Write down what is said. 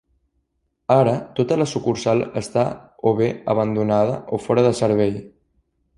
Ara, tota la sucursal està o bé abandonada o fora de servei.